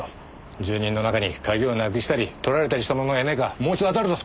住人の中に鍵をなくしたり盗られたりした者がいないかもう一度当たるぞ。